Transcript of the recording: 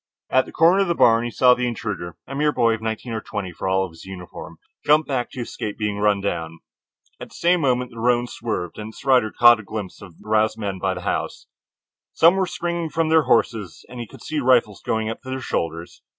At the corner of the barn he saw the intruder, a mere boy of nineteen or twenty for all of his uniform jump back to escape being run down. At the same moment the roan swerved and its rider caught a glimpse of the aroused men by the house. Some were springing from their horses, and he could see the rifles going to their shoulders.